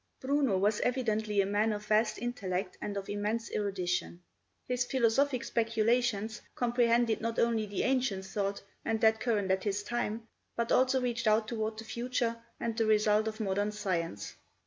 Bruno was evidently a man of vast intellect and of immense erudition. His philosophic speculations comprehended not only the ancient thought, and that current at his time, but also reached out toward the future and the results of modern science.